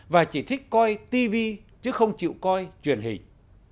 và chỉ thích coi tv chứ không chịu coi truyền hình